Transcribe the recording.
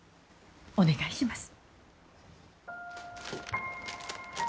お願いします。